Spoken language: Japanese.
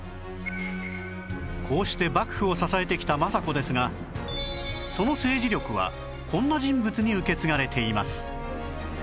こうして幕府を支えてきた政子ですがその政治力はこんな人物に受け継がれています